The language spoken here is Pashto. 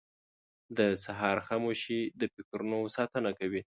• د سهار خاموشي د فکرونو ساتنه کوي.